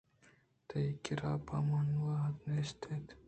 تئی کِرّا پہ من وہد نیست اِنت